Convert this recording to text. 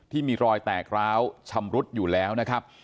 ที่มีรอยแตกร้าวชำรุดอยู่แล้วนะครับ